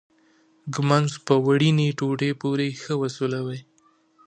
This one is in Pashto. ږمنځ په وړینې ټوټې پورې ښه وسولوئ.